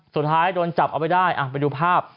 สุดท้ายโดนจับเอาไปได้ไปดูภาพ